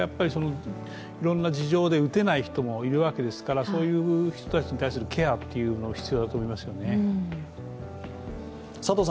いろんな事情で打てない人もいるわけですから、そういう人たちに対するケアも必要だと思いますね。